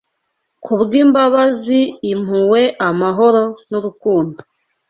Kubwimbabazi, impuhwe, amahoro, nurukundo